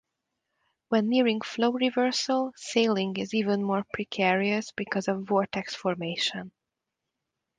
When nearing flow reversal, sailing is even more precarious because of vortex formation.